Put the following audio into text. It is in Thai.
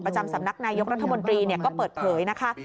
ประจำสำนักนายกรัฐมนตรีก็เปิดเผยนะคะ